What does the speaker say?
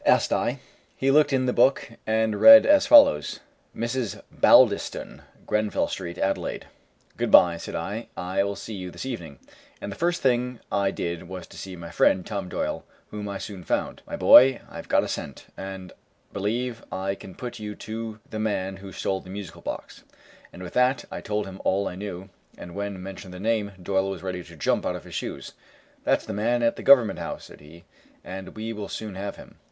asked I. He looked in the book, and read as follows: "Mrs. Baldiston, Grenfell street, Adelaide." "Good bye," said I; "I will see you this evening;" and the first thing I did was to see my friend, Tom Doyle, whom I soon found. "My boy, I have got a scent, and believe I can put you on to the man who stole the musical box," and with that I told him all I knew; and when I mentioned the name, Doyle was ready to jump out of his shoes. "That's the man at Government House," said he, "and we will soon have him.